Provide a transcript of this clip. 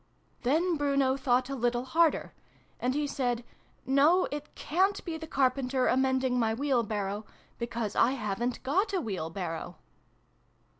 " Then Bruno thought a little harder. And he said ' No ! It cant be the Carpenter amending my Wheelbarrow, because I haven't got a Wheelbarrow